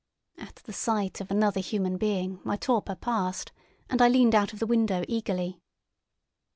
At the sight of another human being my torpor passed, and I leaned out of the window eagerly.